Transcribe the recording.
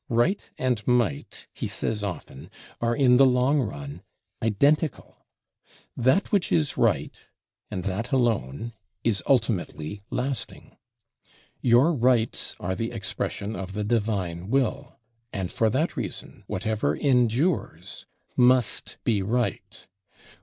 Right and Might, he says often, are in the long run identical. That which is right and that alone is ultimately lasting. Your rights are the expression of the divine will; and for that reason, whatever endures must be right.